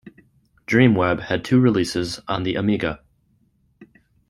"Dreamweb" had two releases on the Amiga.